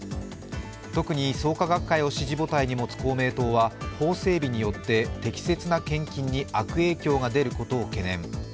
特に創価学会を支持母体に持つ公明党は法整備によって適切な献金に悪影響が出ることを懸念。